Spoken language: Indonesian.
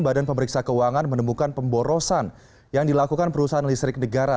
badan pemeriksa keuangan menemukan pemborosan yang dilakukan perusahaan listrik negara